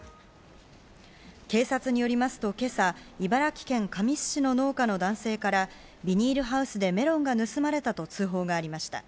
警察によりますと、今朝茨城県神栖市の農家の男性からビニールハウスでメロンが盗まれたと通報がありました。